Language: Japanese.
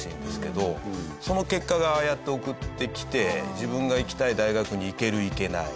その結果がああやって送ってきて自分が行きたい大学に行ける行けない。